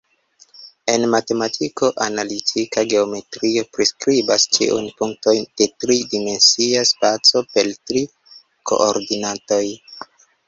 En matematiko, analitika geometrio, priskribas ĉiun punkton de tri-dimensia spaco per tri koordinatoj.